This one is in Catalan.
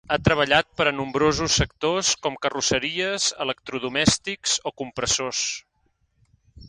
Ha treballat per a nombrosos sectors com carrosseries, electrodomèstics o compressors.